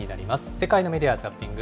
世界のメディア・ザッピング。